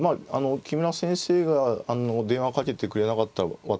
木村先生が電話かけてくれなかったら私